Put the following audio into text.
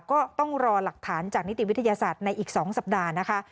ก็ต้องรอหลักฐานจากนิติวิทยาศาสตร์ในอีก๒สัปดาห์นะคะ